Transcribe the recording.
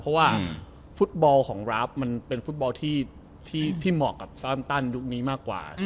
เพราะว่าฟุตบอลของราฟมันเป็นฟุตบอลที่เหมาะกับซารัมตันยุคนี้มากกว่า